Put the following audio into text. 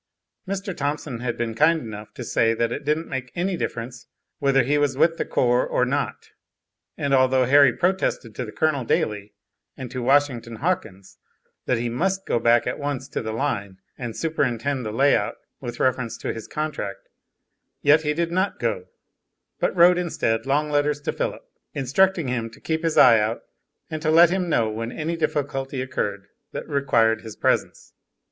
Mr. Thompson had been kind enough to say that it didn't make any difference whether he was with the corps or not; and although Harry protested to the Colonel daily and to Washington Hawkins that he must go back at once to the line and superintend the lay out with reference to his contract, yet he did not go, but wrote instead long letters to Philip, instructing him to keep his eye out, and to let him know when any difficulty occurred that required his presence.